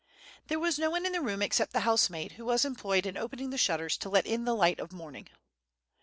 There was no one in the room except the housemaid, who was employed in opening the shutters to let in the light of morning.